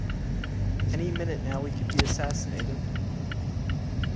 Any minute now we could be assassinated!